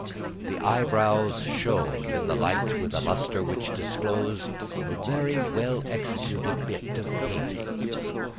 The eyebrows shone in the light with a lustre which disclosed a very well executed bit of painting.